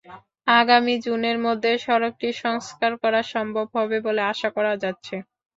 আগামী জুনের মধ্যে সড়কটি সংস্কার করা সম্ভব হবে বলে আশা করা যাচ্ছে।